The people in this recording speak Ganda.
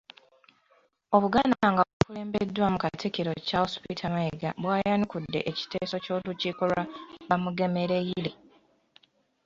Obuganda nga bukulembeddwamu Katikkiro Charles Peter Mayiga bwayanukudde ekiteeso ky'olukiiko lwa Bamugemereire.